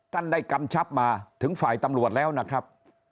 ท่านได้กำชับมาถึงฝ่ายตำรวจแล้วนะครับ